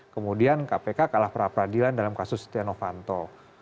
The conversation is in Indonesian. kemudian kpk kalah peradilan dalam kasus setia novanto